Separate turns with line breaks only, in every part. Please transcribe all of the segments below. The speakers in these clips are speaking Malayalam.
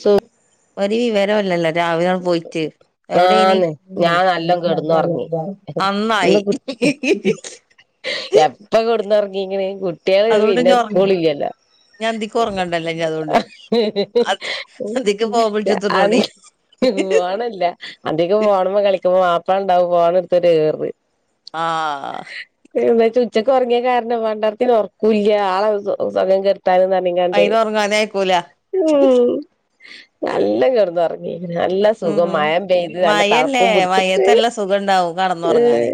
സോ
ഒരി വിവരല്ലല്ലോ രാവിലെങ്ങ് പോയിട്ട് എവിടെനി
ആന്ന് ഞാൻ നല്ലോം കെടന്നൊറങ്ങി ഇന്ന്
നന്നായി
കുട്ടി എപ്പ കെടന്നൊറങ്ങി ഇങ്ങനെ കുട്ടിള് പിന്നെ സ്കൂളില്ലല്ലോ
ഞ്ഞി അന്തിക്ക് ഉറങ്ങണ്ടല്ലോ ഞ്ഞി അതുകൊണ്ട് അതി അന്തിക്ക് പോവപറ്റത്തോണി
ഫോണല്ല അന്തിക്ക് 'ഫോണ് മ്മെ കളിക്കുമ്പോ ബാപ്പണ്ടാവും ഫോണെടുത്തൊരേറ്
ആ
എന്താച്ചാ ഉച്ചക്ക് ഒറങ്ങിയ കാരണം പണ്ടാർത്തിന് ഉറക്കൂല്ല താന്ന് പറഞ്ഞ്ങ്ങാണ്ട്
അയിന് ഉറങ്ങാനേ അയക്കൂല
നല്ല കെടന്നൊറങ്ങി നല്ല സുഖം
ഉം
മയ പെയ്ത് നല്ല
മഴല്ലേ
തണുപ്പും പിടിച്ചിട്ട്
മഴയത്തല്ല സുഖം ഉണ്ടാവും കടന്നുറങ്ങാന്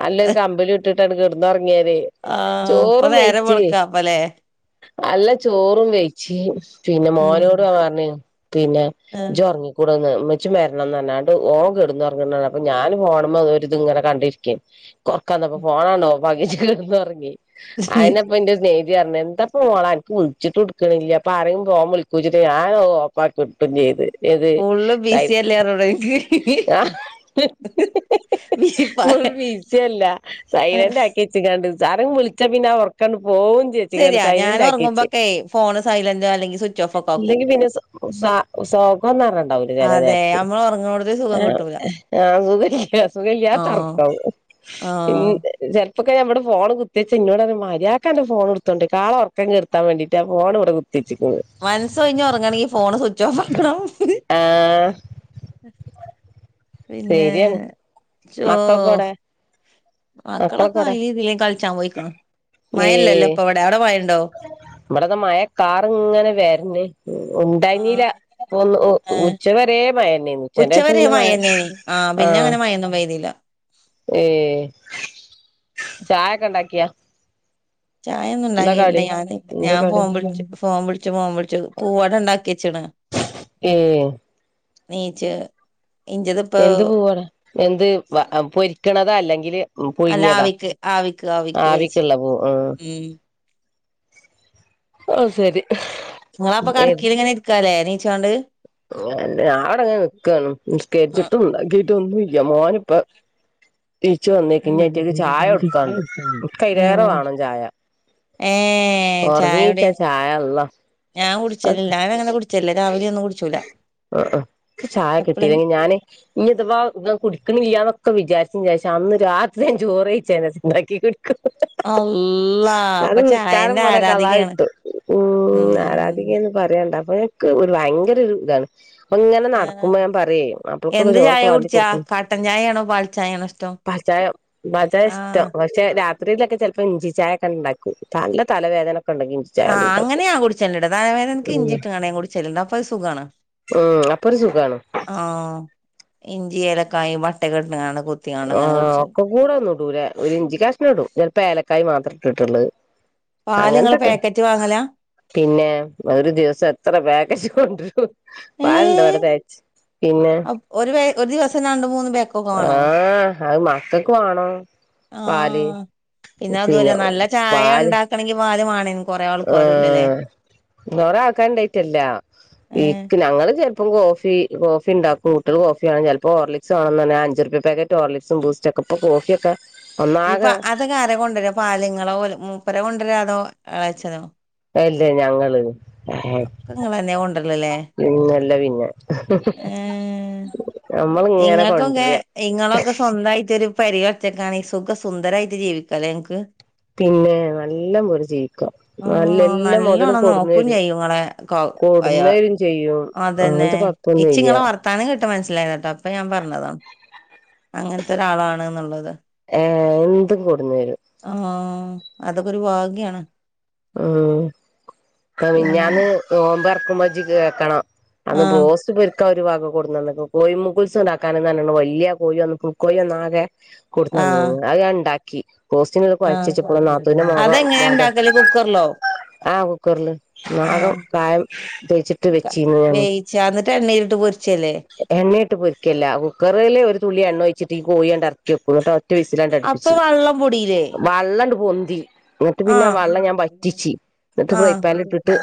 നല്ലൊരു കമ്പിളിയിട്ട് എന്നിട്ടങ്ങട്ട് കെടന്നോറങ്ങിയാലേ
ആഹ് ഇപ്പൊ
ചോറും
നേരം
വെയ്ച്ച്
വെളുക്കാപ്പല്ലേ
അല്ല ചോറും വെയ്ച്ച് പിന്നെ
ഉം
മോനോട് പറഞ്ഞ് പിന്നെ
ആഹ്
ജ് ഉറങ്ങിക്കൂടന്ന് മ്മച്ചി മേ ണന്ന്റഞ്ഞാണ്ട് ഓൻ കെടന്നുറങ്ങുന്നതാ പ്പ ഞാന് ഫോണി മ്മെ ഒരിതും ങ്ങനെകണ്ടിരിക്കും കൊറക്ക വന്നപ്പോ ഫോ ഫോണങ്ങട്ട് ഓഫാക്കിവെച്ച് കെടന്നൊറങ്ങി അയിനിപ്പ ന്റെ സ്നേ തിറഞ്ഞ് എന്താ പ്പോ ഓളനക്ക് വിളിച്ചിട്ടെടുക്കണില്ല അപ്പൊ ആരെം ഫോൺവിളിക്കുച്ചിട്ട് ഞാൻ ഓഫാക്കി വെക്കും ചെയ്ത് ഏത്
ഫുള്ള്
തയ്
ബിസി അല്ലേ പറഞ്ഞൂടെ
ആ ഹ്ഹഹ
ഇൻക്ക്
ഓൾണീച്ചല്ല സൈലന്റ് ആക്കി വെച്ച്ങ്കാണ്ട് സാറങ്ങ് വിളിച്ച പിന്നെ ആ ഉറക്കങ്ങു പോവും വിചാരിച്ച്ക്കാണ്ട്
ശരിയാ ഞാൻ
സൈലന്റ് ആക്കി വെച്ച്
ഉറങ്ങുമ്പോക്കെ ഫോണ് സൈലന്റോ അല്ലെങ്കിൽ സ്വിച്ച് ഓഫ് ഒക്കെ ആക്കും
ഇല്ലെങ്കി പിന്നെ സൈ അ സോകംന്നറഞ്ഞുണ്ടാവല് ചെല നേരത്ത്
മ്മളൊറങ്ങണൊരു
ആ ആ സുഖയില്ല
ആഹ്
സുഖയില്ലാത്തറക്കാവും പിൻ
ആഹ്
ജ ഇപ്പൊക്കെ ഞമ്മടെ ഫോൺ കുത്തിച്ച എന്നോട്റയും മര്യാക്കന്റെ ഫോൺടുത്തോണ്ട്ക്കോ ആളെ ഒറക്കം കെടുത്താ വേണ്ടീട്ട് ആ ഫോണിവിടെ വെ
മനസ് ഒഴിഞ്ഞൊറങ്ങണെങ്കി ഫോണ് സ്വിച്ച് ഓഫ് ആക്കണം
ആഹ്
പിന്നെ
ശരിയാണ്
ചോ
മക്കളൊക്കെ എവടെ
മക്കളൊക്കെ അയിലേം ഇതിലേം കളിച്ചാ പോയിക്കണ് മഴല്ലല്ലോ ഇപ്പ അവിടെ അടെ മഴണ്ടോ
നമ്മത് മഴകാറിങ്ങനെ വരണ്ട് മ് ഉണ്ടായിഞ്ഞില്ല
ആഹ്
പ്പൊ ഒന്ന്
ഏഹ്
ഉച്ച വരെ മഴന്നെയെനു ഉച്ചന്റെ ശേഷം
ഉച്ചവരെ
പിന്നെ മഴ
മഴന്നേനി പിന്നെ
ആഹ്
അങ്ങനെ മഴയൊന്നും പെയ്തില്ല
ഏഹ് ചായൊക്കെണ്ടാക്കിയാ
ചായൊന്നുണ്ടാക്കിട്ടില്ല ഞാന്
എന്താ
ഞാൻ
കടി
ഫോംവിളിച്ച് ഫോംവിളിച്ച് ഫോം വിളി ച്ച് പൂവാടണ്ടാക്കിവച്ചീണ്
ഏഹ്
ണീച്ച്
എന്ത് പൂവാണ് എന്ത് വ ആ പൊരിക്കണതാ അല്ലെങ്കില് ഉ
അല്ല
പുഴുങ്ങിയതാ
ആവിക്ക് ആവിക്ക് ആവിക്ക് വേവിച്ച്
ആവിക്കുള്ള പൂ മ്
ഉം
ഓ ശരി
നിങ്ങളപ്പൊ
ഏത്
കടക്കീല് ഇങ്ങനെ ഇരിക്കാല്ലേ നീച്ചോണ്ട്
ഏ ഞടങ്ങനെ നിക്കാണ് നിസ്കരിച്ചിട്ട് ഉണ്ടാക്കിട്ട് ഒന്നുമില് മോൻ ഇപ്പൊ തിരിച്ചു വന്നേക്ക് ഇനി ഏറ്റിരിന്ന് ചായ കൊടുക്കാണ്ട് നിക്ക് അയിരേറെ
ഉം
വേണം ചായ
ഏ ചായ
ന്റെ ചായ അള്ളാ
ഞാൻ കുടിച്ചലില്ല ഞാനങ്ങനെ കുടിച്ചല്ല രാവിലെയൊന്നും കുടിചൂല
ആ ആ നിക്ക് ചായ കിട്ടിയില്ലെങ്കിൽ ഞാന് ഇനി ഇഥവാ ങ്ങാ കുടിക്കണില്ലാന്നൊക്കെ വിചാരി വിചാരിച്ച അന്ന് രാത്രി ഞാൻ ചോറ് കഴിച്ചേന ചൂടാക്കീട്ട്
അള്ളാ അപ്പ ചായേന്റ
നിസ്കാരം പോലെ കളാ
ആരാധികയാ നിങ്ങള്
ഉം ആരാധികേന്ന് പറയണ്ട. അപ്പൊ എൻക്ക് ഒരു ഭയങ്കര ഒരു ഇതാണ്. പ്പങ്ങനെ നടക്കുമ്പോ
ആഹ്
ഞാൻ പറയോ മാപ്പ്ളക്ക് ന്ന്
എന്ത് ചായ
ചോറൊക്കെ വെള്മ്പി
കുടിച്ചാ
കൊടുക്കൂ
കട്ടൻ ചായയാണോ പാൽച്ചായയാണോ ഇഷ്ടം
ഏ ബജ ഇഷ്ടം
ആഹ്
പക്ഷെ രാ ത്രിലോക്കെ ചിലപ്പോ ഇഞ്ചി ചായേക്കെ ഉണ്ടാക്കും നല്ല തലവേദനേക്കെ ഉണ്ടെങ്കി
ആ അങ്ങനെ ഞാൻ കുടിച്ചിണ്ടെടാ തലവേദനക്ക്
ഉം
ഇഞ്ചിയിയിട്ടാണേ ഞാൻ കുടിച്ചിലുള്ള അപ്പൊ ഒരു സുഖാണ്.
അപ്പൊരു സുഖാണ്
ആഹ് ഇഞ്ചി ഏലക്കായും വട്ട [unintelligible]
ആ ഒക്കെ കൂടെ ഒന്നുടൂല ഒരു ഇഞ്ചി കഷ്ണം ഇടും ചിലപ്പോ ഏലക്കായ മാത്രം ട്ടിട്ടുള്ള
പാല് ഇങ്ങള്
അങ്ങനതന്നെ
പാക്കറ്റ് വാങ്ങലാ
പിന്നെ ഒരു ദിവസം എത്ര [unintelligible] എച്ച് കൊണ്ടുരും
ഏ
പാലുണ്ടോ ഇവിടെ തെകച്ച്
അപ് ഒരു ഒരു ദിവസം രണ്ടു മൂന്ന് പേ
ആ അത് മക്കക്ക് വേണോ പാല്
ആഹ് പിന്നെ അതുമല്ല നല്ല ചായ ഉണ്ടാക്കണമെങ്കിൽ പാലുവേണമെനി
ആ കുറേ ആൾക്കാരിണ്ടായിട്ടല്ല
ഏ
ഏക്ക് ഞങ്ങള് അപ്പം കോഫി കോഫി ഉണ്ടാക്കും കുട്ടികൾ കോഫി വേണം ചിലപ്പോ ഹോർലിക്സ് വേണോന്ന് പറഞ്ഞ ഞാൻ അഞ്ച് രൂപ്പിയ പാക്കറ്റ് ഹോർലിക്സും ബൂസ്ൻ്റോ ഇപ്പൊ കോഫിയൊക്കെ
ഇപ
ഒന്നാകെ
അതക്കെ ആരാ കൊണ്ടുവരാ പാലിങ്ങളാ ഓല് മൂപ്പര കൊണ്ടുവരാ അതോ ആയച്ചതോ
അല്ലേ ഞങ്ങള്
ഒക്കെ നിങ്ങളെന്നെയാ കൊണ്ടുവരലല്ലേ
പിന്നല്ല പിന്നെ [unintelligible]
നിങ്ങൾക്കു ഇങ്ങനെ
കൊണ്ടുവരാ
നിങ്ങളൊക്കെ സ്വന്തമായിട്ടൊരു പരികവെച്ചെക്കാ സുഖ സുന്ദരായിട്ട് ജീവിക്കാല്ലേ ങ്ങക്ക്
പിന്നെ നല്ല പോലെ ജീവിക്കാം നല്ല
ആഹ്
എല്ലാം മുതലും
നല്ലോണം
കൊടുന്ന്
നോക്കും
തരും
ചെയ്യും ഇങ്ങളെ കൗ അയാൾ
കൊടുന്നേരും ചെയ്യും
അതന്നെ
അങ്ങനത്തെ കൊഴപ്പൊന്നുംല്ല
എച്ചിങ്ങളെ വർത്താനം കേട്ട് മനസ്സിലായതാ കേട്ടോ അപ്പൊ ഞാൻ പറഞ്ഞതാ അങ്ങനത്തെ ഒരാളാണ് എന്നുള്ളത്
ഏ എന്തും കൊടുന്ന് തരും
ആ അതൊക്കെ ഒരു ഭാഗ്യാണ്
മ് അ
പിന്നെ
മിനിഞ്ഞാന്ന് നോമ്പ് തുറക്കുമ്പോ ജ്ജ് കേക്കണം അന്ന്
ആഹ്
ബോസ്റ്റ് പെരു ഇക്ക ഒരു വക കൊട്ടുന്നു തന്നേകുന്നു കോയി മുകുൾസ് ഉണ്ടാക്കാനാ ന്നാണു വലിയ കോഴിയന്ന കുക്കോഴിയാന്നാ കെ കൊടുന്നന്ന്
ആഹ്
നിങ്ങ അത് ഞാൻ ഉണ്ടാക്കി കോസ്റ്റിങ്ങിളിപ്പോ അഴിച്ച്
ആഹ്
വെച്ചേക്കണ് നാത്തുന്റെ മോഗ
അതെങ്ങനെ
മോൻ്റെ
ഇണ്ടാക്കല് കുക്കറിലോ?
ആ കുക്കർല് നാഗം
ആഹ്
കായം തേച്ചിട്ട് വെച്ചീനു ഞാന്.
[unintelligible]
എണ്ണയിട്ട് പൊരിക്കല്ല കുക്കറില് ഒരു തുുള്ളി എണ്ണ ഒയി ച്ചിട്ടി കോയിണ്ട് അറച്ചിവെക്കുള്ളു ട്ട് ഒറ്റ വിസിലങ്ങട്
അപ്പൊ
അടുപ്പിച്ച്
വെള്ളം പൊടിയില്ലേ?
വള്ള പൊന്തി എന്നിട്ട് പിന്നെ
ആഹ്
വള്ളം ഞാൻ വറ്റിച്ച് ന്നിട്ട്
ആഹ്
ഫ്രൈപ്പാലിട്ടിട്ട്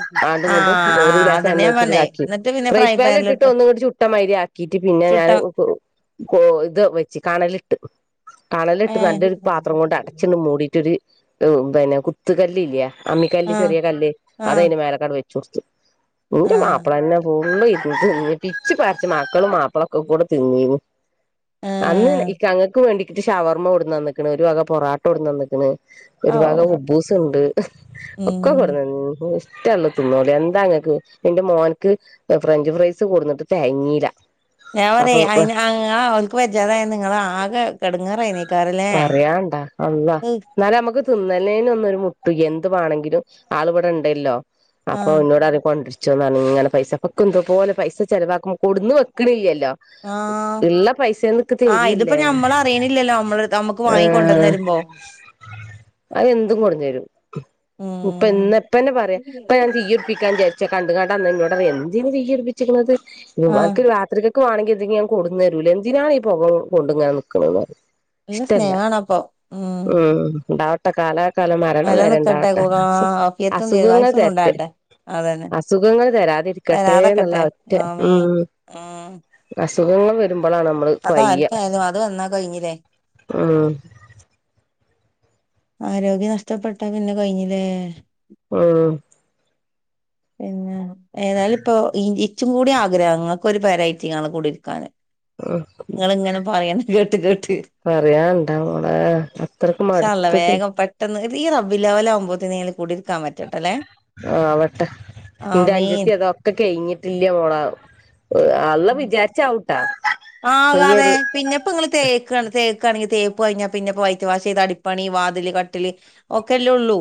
ആഹ്
ആണ്ടുംങ്ങണ്ടും ഒരു
ആഹ് അതന്നെ ഞാൻ പറഞ്ഞേ
ഗ്ലാസെണ്ണോയ്ച്ചിട്ട്താക്കി
എന്നിട്ട് പിന്നെ ഫ്രൈ പാനിലിട്ട്
ഫ്രൈപ്പാലിട്ടിട്ടൊന്ന് ചുട്ടമാര്യാക്കീട്ട് പിന്നെ
ചുട്ട
ഞാന് കൊ കൊ.. കൊ. ത് വെച്ച് കണലിട്ടു കളലിട്ട്
ഏഹ്
നല്ലൊരു പാത്രം കൊണ്ട് അടച്ച്ണ്ട് മൂടീട്ടൊരു ഒ.. പിന്നെ കുത്തുകല്ല്ല്ല്യേ അമ്മിക്കല്ല്
ആഹ്
ചെറിയ കല്ല്
ആഹ്
അതയ്ന്റെ മേലക്കണ്ട് വെച്ചൊട്ത്തു ന്റെ
ആഹ്
മാപ്പ്ളന്നെപ്പോ ഇ തി പിച്ച് പച്ച് മക്കളും മാപ്പിളൊക്കെ കൂടെ തിന്നിരുന് അന്ന്
ആഹ്
ഇക്കങ്ങക്ക് വേണ്ടിക്ക്ട്ട് ഷവർമ്മോട്ന്നന്ന്ക്ക്ണ് ഒരു വക പൊറട്ടോട്ന്ന്ക്ക്ണ് ഒരുഭഗ
ഓഹ്
ഉബ്ബൂസ്ണ്ട് ഒക്ക
ഉം
കൊട്ന്നന്ന്ക്ക് ണ് ഇങ്ങക്ക്ഷ്ട്ടള്ള തിന്നോളി എന്താങ്‌ക്ക് ന്റെ മോൻക്ക് ഫ്രഞ്ച് ഫ്രൈസ് കൊടുന്നിട്ട് തെകഞീല
ഞാഒനെ അയ്നങ്ങ്ആ.. ഓൽക്ക് വെജ്ജാതായന്ന് ഇങ്ങളാകെ എട്ങേറായ്ന്നീ
പറയാണ്ടാ അള്ളാ. ന്നാലമ്മക്ക് തിന്നന്നേനൊന്നും ഒരു മുട്ടുയ്യാ.. എന്ത് മാണെങ്കിലും ആൾവ്ടെണ്ടല്ലോ അപ്പൊ
ആഹ്
ന്നോട്റയും കൊണ്ട്രി ച്ചൊന്നണ്ങ്ങനെ പൈസപ്പക്കപ്പെന്തപോലെ പൈസ ചെലവാക്കുമ്പോ കൊട്ന്ന് വെക്ക്ണില്ലല്ലോ
ആ..... അ
തരിയല്ലേ
ഇതിപ്പഞമ്മളറിയിണില്ലല്ലോ നഞമ്മൾറിയണില്ലല്ലോ നമ്മള് നമുക്ക് വാങ്ങികൊണ്ടന്നേരുമ്പോ...
അഎന്തും കൊട്ന്നേരും
ഉം
ഉപ്പെന്നെ ഇപ്പന്നെപറയും ഇപ്പ ഞാൻ തീയു കത്തിക്കാൻജാരിച്ചൊ കണ്ട്കാണ്ടന്ന് ന്നോട്പറയേ എന്തിന് തീയുടിപ്പിച്ച്ക്ണത് മ്
ആഹ്
അനക്ക് രാത്രിക്കക്ക് ക്കക് വാണെങ്കിന്തെങ്കിഞാകൊട്ന്നേരൂലേ എന്തിനാണീ.. പൊക കൊണ്ട്ങ്ങനെനിക്ക്ണത്
നല്ല
ഇഷ്ടല്ല
സ്നേഹാണപ്പൊ
ഉം.. ണ്ടാവട്ടെ കാലാ കലം
നില നിക്കട്ടെ
മരണംവരെണ്ടാവട്ടെ
കൂട
അ
ആഫിയത്തും
അസുഖങ്ങൾ
ദീർഘായുസ്സും
തെരത്
ഉണ്ടാകട്ടെ അതന്നെ
അസുഖങ്ങൾ തരാതിരിക്കട്ടേന്ന്ള്ള
തരാതെക്കട്ടെ
ഒറ്റ
ആമീൻ
ഉം
ഉം
അസുഖങ്ങൾ വരുമ്പളാണ് നമ്മള്
അതാർക്കായാലും അത് വന്ന കഴിഞ്ഞിലെ.
മ്
ആരോഗ്യം നഷ്ടപ്പെട്ട പിന്നെകഴിഞ്ഞീലേ
ഉം
പിന്നെ ഏതായിലുപ്പോ.. ഇ ഇച്ചുംകൂടി ആഗ്രഹം ഇങ്ങക്കൊരു പെരേറ്റിഇങ്ങള് കുടിരിക്കാന്
ഉം....
കേട്ട്
പറയാൻണ്ടമോളേ... അത്രക്കുംമടു
ഇൻഷാ അള്ളാ വേഗം പെട്ടെന്ന് ഈ റബ്ബില്ലാവലാവുമ്പേക്കും കുടിരിക്കാൻപറ്റട്ടലേ
ന്റെ അഞ്ചത്യതാ. ഒക്കെ കഴിഞ്ഞിട്ടില്ല്യാ ഓളാ അള്ള വിചാരിച്ചഔ
ആകാതേ പിന്നെപ്പ്ങ്ങള് തേക്കാണ് തേക്ക് ക്കാണെങ്കെ തേപ്പ് കഴിഞ്ഞാപിന്നെ പ്ന്നെ വൈറ്റ് വാഷെയ്താ.. അടിപ്പണി വാതില് കട്ടില് ഒക്കല്ലെ ഉള്ളൂ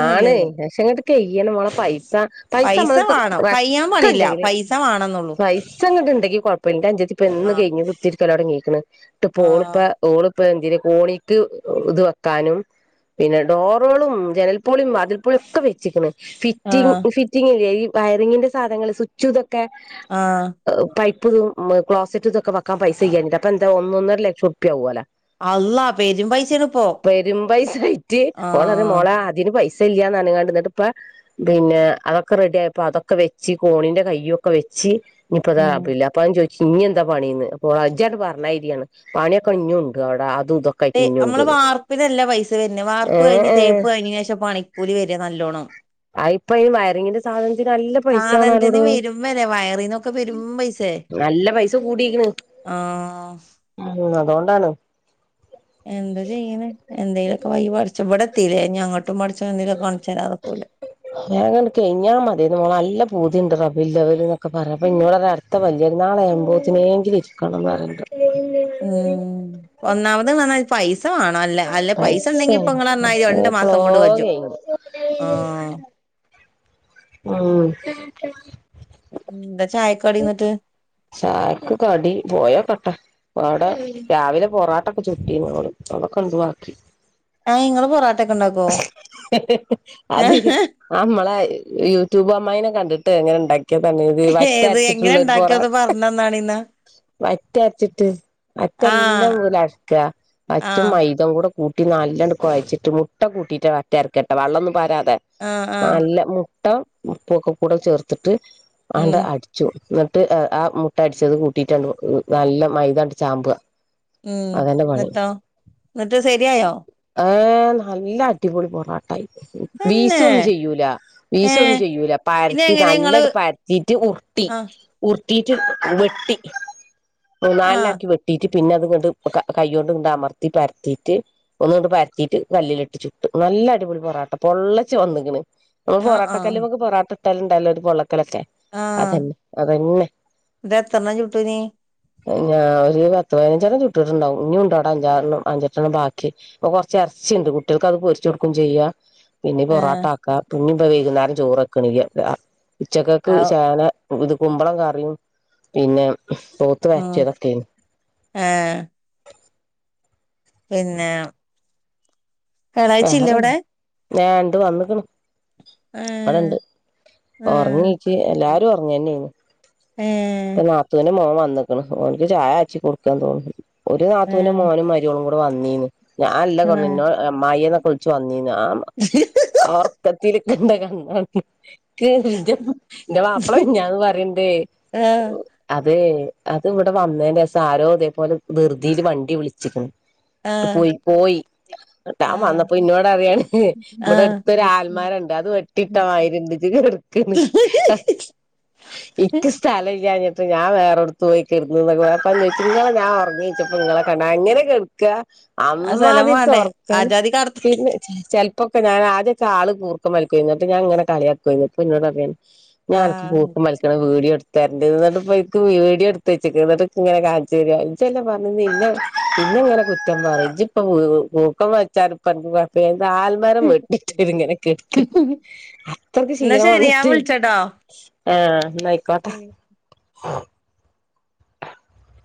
ആണ് അഷെങ്ങട് കയ്യണമോളെ പൈസ പൈസമ്മളട്ത് വെ
[unintelligible] പില്ല പൈസ വാ
പൈസങ്ങട്ണ്ടെങ്കി കൊഴപ്പന്റെഞ്ചത്തി പ്പെന്ന്
ആഹ്
കയ്ഞ് കുത്തിരിക്കലൊട്ങ്ങീക്ക്ണ്ട്ട്പോള്പ്പ
ആഹ്
ഓള് ഇപ്പതെന്തിന് കോണിക്ക് ഒ.. ത് വെക്കാനും പിന്നെ ഡോറോളൊന്നും ജനൽപൊളീം, വാതിൽപൊളിയൊക്കെ വെച്ച്ക്ക്ണ് ഫിറ്റിങ്
ആഹ്
ഫിറ്റിങ്ങില്ലേ ഈ.. വയറിങ്ങിന്റെ സാധങ്ങള് സ്വിച്ചുതൊക്കെ
ആഹ്
അ.. പൈ ഇപ്പൊന്നും മ്... ക്ളോസറ്റുതൊക്ക വെക്കാൻ പൈസയ്യാഞ്ഞിട്ടാ.. അപ്പന്താ. ഒന്നൊന്നരലക്ഷറുപ്പിയാവോലാ
അള്ളാ പെരും പൈസേണിപ്പോ
പെരുമ്പയ്സായിറ്റ് ഓളറിയ
ആഹ്
മോളേ.. പൈസല്ല്യാന്നറിഞ്ക്കാണ്ട്ന്ന്ട്ട്പ്പോ പിന്നെ.. അതൊക്കെ റെഡ്യായപ്പോ അതൊക്കെവെച്ച് കോണിന്റെ കയ്യൊക്കെ വെച്ച്
ഉം
ഇനിപ്പതാഭില്ല [unintelligible] അൊ ചോദി ഇഞ്ഞെന്താ... പണീന്ന് അപ്പൊളജ്യണ്ട് പറഞ്ഞാര്യാണ് പണ്യോക്കെ ഇഞ്ഞൂണ്ട് അവ്ടാ.. അ..
ഏ.. അമ്മള് വാർപ്പിനല്ല പൈസ [unintelligible]
ഏഹ്
വാർപ്കയിഞ്
ഏഹ്
തേപ്പ് കയിഞേനേഷംപണിക്കൂലി വരാ... നല്ലോണം..
അയ്പ്പയി.. വയറിങ്ങിന്റെ സാധനത്തിനല്ല
സാധനത്തിന്
പൈസാണേടോ..
വരും വരെ വയറിന്നൊക്കെ പെരും
നല്ല പൈസ കൂടീക്ക്ണ്
ആ....
ഉം. അതോണ്ടാണ്.
എന്ത ചെയ്യിനെ എന്തേലൊക്കെ വയി പടച്ചോ ഇവടെത്തീലെ... ഇഞ് അങ്ങട്ടും പടച്ചോൻ ന്തെങ്കിലൊക്കെ കണ്ട്
[unintelligible] പൂതിയണ്ട് റബ ലവല എന്നൊക്കെ പറയാ അപ്പോ ഇന്നോട് പറയുവാ അടുത്ത വലിയ പെരുന്നാൾ ഇരിക്കണം എന്ന് പറയണ്ട്
ഉം ഒന്നാമത് നന്നായി പൈസ ണ്ണാല്ലേ അല്ലേയ് അല്ലെ പൈസ ഉണ്ടെങ്കി ഇപ്പൊ
പൈസേണ്
നന്നായി
പൈസ
രണ്ട്
എപ്പളോ
മാസം കൊണ്ട് വേച്ചും
കഴിഞ്ഞു
ആ
മ്മ്
ഉം
ചായക്ക് കടി പോയി നോക്കട്ടെ ഇടെ രാവിലെ പൊറാട്ടൊക്കെ ചുട്ടിന്നോള്ളു അതൊക്കെയുണ്ട് ബാക്കി
ഏഹ് ഇങ്ങള് പൊറാട്ടൊക്കെ ഉണ്ടാക്കോ
അത് ആമ്മള യൂട്യൂബ് അമ്മായിനെ കണ്ടിട്ട് എങ്ങനെ ഉണ്ടാക്കിയ തന്നെ ഇത് വറ്റ
ഏത് എങ്ങനെ ഉണ്ടാക്കിയോന്ന് പറഞ്ഞന്നാണ് ഇന്നാ
വാറ്റ്‌ അരച്ചിട്ട്
ആഹ്
വാറ്റെല്ലാംപോലെ അരക്കാ വാറ്റും
ആഹ്
മൈദം കൂടി കൂട്ടി നല്ലണ്ട് കുഴച്ചിട്ട് മുട്ട കൂട്ടിട്ട് വറ്റാ അരയ്ക്കാ കേട്ടാ വെള്ളം ഒന്നും പരാ
ആഹ് ആഹ്
നല്ല മുട്ട ഉപ്പൊക്കെ കൂടെ ചേർത്തിട്ട്
ഉം
അണ്ട് അടി എന്നിട്ട് ആ മുട്ട അടിച്ചത് കൂട്ടിയിട്ട് നല്ല മൈതണ്ട് ചാമ്പുവാ
ഉം എന്നിട്ടോ എന്നിട്ട് ശരിയായോ
ഏ നല്ല അടിപൊളി പൊറോാട്ടായി വീസു
തന്നെ
ഒന്നും ചെയ്യൂല വീസു
ഏഹ്
ഒന്നും ചെയ്യൂല
പിന്നെ
പരത്തി
എങ്ങനെ ഇങ്ങള്
നല്ലടി പരത്തിട്ട് ഓ
ആ
ഉർത്തിട്ട് വെട്ടി
ആ
മൂന്നാലാക്കി വെട്ടിട്ട് പിന്നെ അത് കൊണ്ട് കൈ കൊണ്ട് ഒന്ന് അമർത്തി പരത്തിട്ട് ഒന്ന് ഇങ്ങോട്ട് പരത്തിട്ട് കല്ലിൽ ഇട്ടിച്ചിട്ട് നല്ല നല്ല അടിപൊളി പൊറോട്ട പൊളളച്ച് വന്നിങ്ങണ്. നമ്മള്
ആ ആ
പൊറാട്ടക്കല്ലിമേക്ക് പൊറാട്ട ഇട്ടാല്‌ ഉണ്ടല്ലോ ഒരു പൊള്ളക്കലൊക്കെ
ആ
അതന്നെ അതന്നെ
ഇത് എത്രണ്ണം ചുട്ടൂനി
ഞാ ഒരു പത്ത് പതിനഞ്ചെണ്ണം ചു ട്ടിട്ടുണ്ടാവും, ഇനി ഉണ്ടവിടെ അഞ്ചാറെണ്ണം അഞ്ചെട്ടെണ്ണം ബാക്കി കൊറച്ച് എറ ചിണ്ട് കുട്ടികൾക്ക് അത് പൊരിച്ചു കൊടുക്കും ചെയ്യ പിന്നെ
ആ
പൊറോട്ട ആക്ക പിന്നെണ്ടാ വൈകുന്നേരം ചോറ് ആകണ്ണില്ല ഉച്ചകേക്കും
ഔ
ശഗലം ഇത് കുമ്പളം കറിയും, പിന്നെ പോത്ത്
ഉം
വരട്ടിയത് ഒക്കെയാണ്.
ആ പിന്നെ വ്യാഴാഴ്ച ഇല്ല ഇവിടെ?
ഞാണ്ട് വന്നികിണ്
ആ
അവിടെ ഇണ്ട്
ആ
ഉറങ്ങിക്ക് എല്ലാരും ഉറങ്ങി തന്നെയാണ്.
ഏ
പ്പ നാത്തുന് മോൻ വന്നിക്കിണ് ഓനിക്ക് ചായ അറ്റി കൊടുക്കാ തോന്നാണ്. ഒരു
ആ
നാത്തൂനും മോനും മാരിമോളും കൂടെ വന്നീന്ന്. ഞാല്ല
ആ
നിങ്ങ അമ്മായിയെന്നൊക്കെ വിളിച്ചു വന്ന [unintelligible] എന്റെ മാപ്പള ഞാന്ന് പറയണ്ടേ,
ആ
അതേ അത് ഇവിടെ വന്നേന്റെ സാരോ അതേപോലെ ധൃതിയില് വണ്ടി വിളിച്ചിക്കുന്നു. ഇട്ട് പോയി പോയി.
ആ
വന്നപ്പോ ഇന്നോട് അറിയാണ്
ആ ആ
ഇവിടെ അടുത്തൊരു ആൽമരഓണ്ട് അത് വെട്ടിയിട്ടമായിരിണ്ട് ഇച് [unintelligible] ഞാ വേറെടുത്ത് പോയി കിടന്ന് പറഞ്ഞെചു നിങ്ങളെ ഞാൻഓറങ്ങിച്ചപ്പോ നിങ്ങളെ കണ്ട് അങ്ങനെ കിടക്കാ
ആ സ്ഥലം
അമ്മാതിരിത്തെ
വേണ്ടേ
ഉറക്കം
ആജാതി കടത്ത്
പിന്നെ ചെല പ്പാ ഒക്കെ ഞാൻ ആദ്യക്കെ ആള് കുർക്കം വലിക്കുകയായിരുന്നു. ഞാ ഇങ്ങനെ കളിയാക്കുവായിരുന്നു ഇപ്പോ എന്നോട്
ആ
ഞാൻ കൂർക്കം വലിക്കുന്ന വീഡിയോ എടു തെരണ്ട്ന്ന് പറഞ്ഞ് ഇപ്പ ഇനിക്ക് വീഡിയോ എടുത്ത് വെച്ചേക്കണ് എന്നിട്ട് ഇങ്ങനെ കാണിച്ച് തരിയാ ഇച്ച് അല്ലേ പറഞ്ഞേ [unintelligible] എന്നെ ഇങ്ങനെ കുറ്റം പറയു ഇച്ച് ഇപ്പം കൂർക്കം വലിച്ച ഇപ്പ എന്താ ആൽമരം വെട്ടിട്ട് ഇങ്ങനെ കിടക്കാ അത്രക്ക്
എന്നാ
ക്ഷീണം
ശരി ഞാൻ
വന്നിട്ട്.
വിളിച്ചട്ടോ
ന്നാ ആയിക്കോട്ടെ
ശരി
[inaudible]